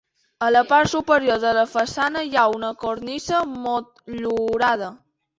A la part superior de la façana hi ha una cornisa motllurada.